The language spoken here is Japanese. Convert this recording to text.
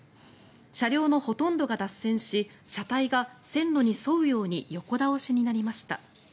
車両のほとんどが脱線し車体が線路に沿うように横倒しになりました。